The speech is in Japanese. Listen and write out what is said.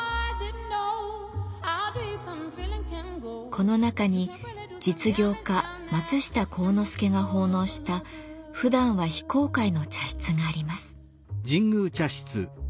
この中に実業家松下幸之助が奉納したふだんは非公開の茶室があります。